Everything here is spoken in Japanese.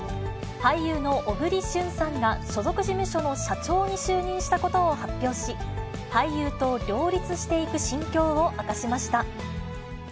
俳優の小栗旬さんが、所属事務所の社長に就任したことを発表し、俳優と両立していく心境を明かしました。